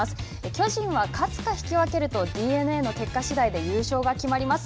巨人は勝つか引き分けるとＤｅＮＡの結果しだいで優勝が決まります。